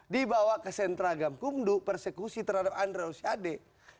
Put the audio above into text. dibawa ke sentra gamkung persekusi terhadap andreus yade